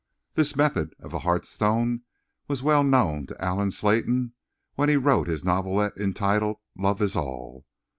This method of the Hearthstone was well known to Allen Slayton when he wrote his novelette entitled "Love Is All."